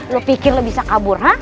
lu pikir lu bisa kabur hah